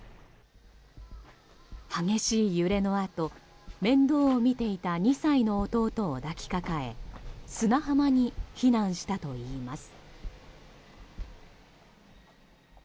激しい揺れのあと面倒を見ていた２歳の弟を抱きかかえ砂浜に避難したといいます。